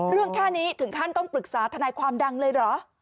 แค่นี้ถึงขั้นต้องปรึกษาทนายความดังเลยเหรอ